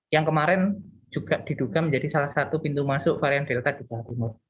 yang kemarin juga diduga menjadi salah satu pintu masuk varian delta di jawa timur